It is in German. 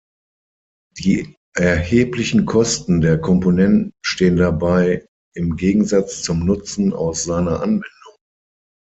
Die erheblichen Kosten der Komponenten stehen dabei im Gegensatz zum Nutzen aus seiner Anwendung.